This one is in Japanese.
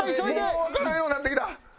もうわからんようになってきた！